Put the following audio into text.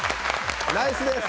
ナイスです！